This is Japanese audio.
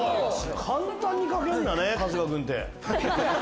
簡単に描けるんだね春日君って。